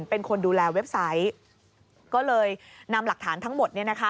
เป็นคนดูแลเว็บไซต์ก็เลยนำหลักฐานทั้งหมด